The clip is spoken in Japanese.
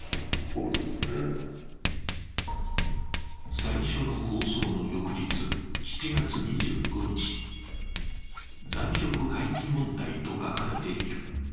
最初の放送の翌日、７月２５日、「残食廃棄問題」と書かれている。